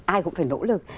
ai cũng phải nỗ lực